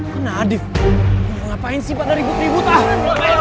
mana adil ngapain sih pada ribut ribut ah